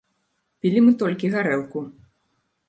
Пілі мы толькі гарэлку.